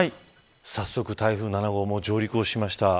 早速、台風７号上陸をしました。